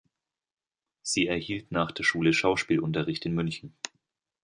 Sie erhielt nach der Schule Schauspielunterricht in München.